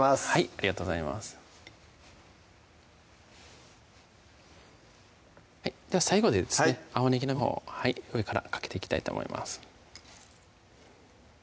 ありがとうございます最後ですね青ねぎのほうを上からかけていきたいと思います